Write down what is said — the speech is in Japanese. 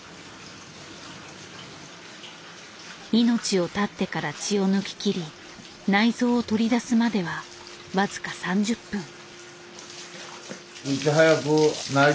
命を絶ってから血を抜ききり内臓を取り出すまでは僅か３０分。